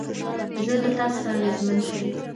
زه له تا څخه اغېزمن شوم